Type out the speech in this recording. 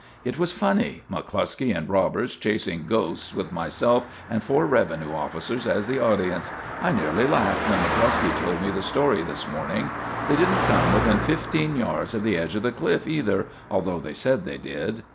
"It was funny. McCluskey and Roberts chasing ghosts with myself and four revenue officers as the audience. I nearly laughed when McCluskey told me the story this morning. They didn't come within fifteen yards of the edge of the cliff, either, although they said they did.